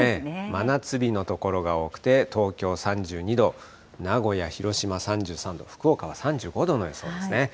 真夏日の所が多くて、東京３２度、名古屋、広島３３度、福岡は３５度の予想です。